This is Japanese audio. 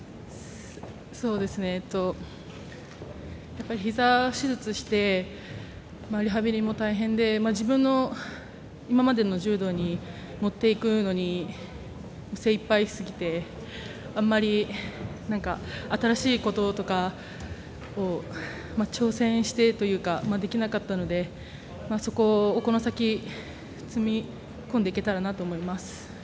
やっぱりひざを手術してリハビリも大変で自分の今までの柔道に持っていくのに精いっぱいすぎてあまり新しいこととかに挑戦してというかできなかったのでそこをこの先積み込んでいけたらなと思います。